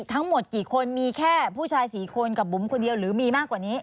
ทั้งหมดกี่คนมีแค่ผู้ชาย๔คนกับบุ๋มคนเดียวหรือมีมากกว่านี้